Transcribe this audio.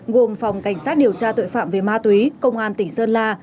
gồm phòng cảnh sát điều tra tội phạm về ma túy công an tỉnh sơn la